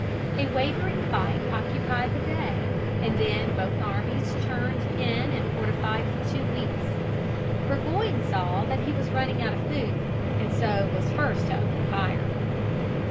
A wavering fight occupied the day, and then both armies turned in and fortified for two weeks. Burgoyne saw that he was running out of food, and so was first to open fire.